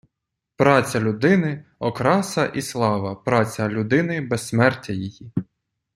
Праця людини – окраса і слава, праця людини – безсмертя її